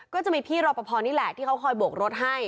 ก็จะมีพี่รอปภนี่แหละที่เขาคอยโบกรถให้